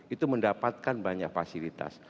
itu mendapatkan banyak fasilitas